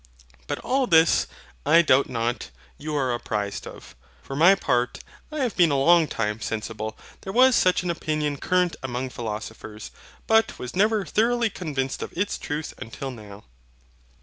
But all this, I doubt not, you are apprised of. For my part, I have been a long time sensible there was such an opinion current among philosophers, but was never thoroughly convinced of its truth until now.